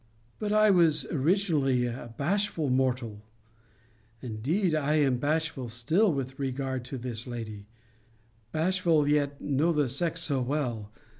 But I was originally a bashful mortal. Indeed I am bashful still with regard to this lady Bashful, yet know the sex so well!